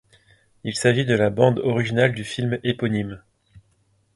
Il s'agit de la bande originale du film éponyme.